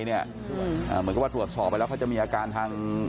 เหมือนกับว่าตรวจสอบไปแล้วเขาจะมีอาการทาง